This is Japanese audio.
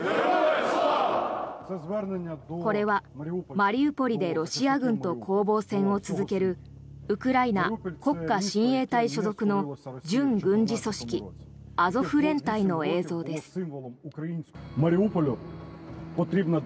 これは、マリウポリでロシア軍と攻防戦を続けるウクライナ国家親衛隊所属の準軍事組織アゾフ連隊の映像です。